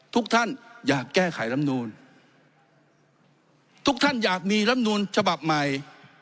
ทุกท่านอยากแก้ไขลำนูนทุกท่านอยากมีลำนูลฉบับใหม่